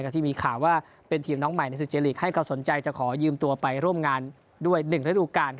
ที่มีข่าวว่าเป็นทีมน้องใหม่ในสุเจลีกให้เขาสนใจจะขอยืมตัวไปร่วมงานด้วย๑ฤดูการ